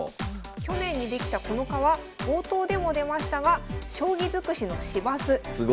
去年に出来たこの課は冒頭でも出ましたが将棋尽くしの市バスすごい！